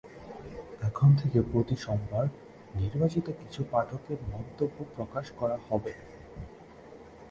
এখন থেকে প্রতি সোমবার নির্বাচিত কিছু পাঠকের মন্তব্য প্রকাশ করা হবে।